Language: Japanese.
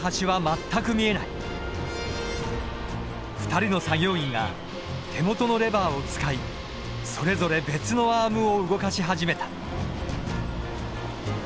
２人の作業員が手元のレバーを使いそれぞれ別のアームを動かし始めた。